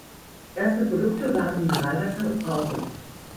Erste Produkte waren Mineralwasser und Brause.